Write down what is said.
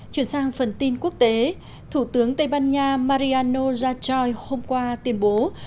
truyền sang phần tin quốc tế thủ tướng tây ban nha mariano rajoy hôm qua tuyên bố